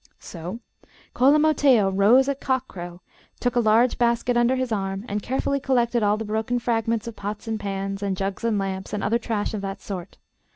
So Cola Mattheo rose at cock crow, took a large basket under his arm, and carefully collected all the broken fragments of pots and pans, and jugs and lamps, and other trash of that sort.